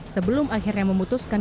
sebelum akhirnya memutuskan